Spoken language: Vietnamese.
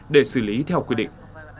để xử lý theo quy định